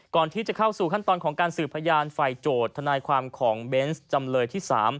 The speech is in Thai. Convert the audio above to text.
ก่อนที่จะเข้าสู่ขั้นตอนของการสืบพยานฝ่ายโจทย์ทนายความของเบนส์จำเลยที่๓